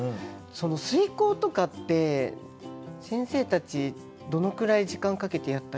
推敲とかって先生たちどのくらい時間かけてやったりするんですか？